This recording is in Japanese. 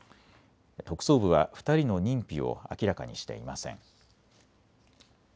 特捜部は２人の認否を明らかにしていません。